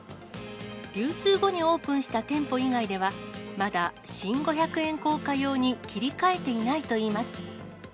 流通後にオープンした店舗以外では、まだ新五百円硬貨用に切り替えていないといいます。